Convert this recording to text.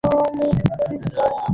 এম্নিতেই শুকাবে, এপ্রিল মাস এইটা।